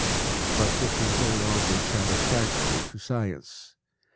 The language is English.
But this is no longer satisfactory to science.